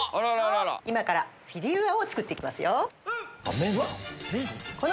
今からフィデウアを作って行きますよ。